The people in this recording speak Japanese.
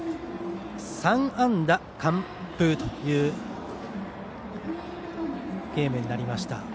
３安打完封というゲームになりました。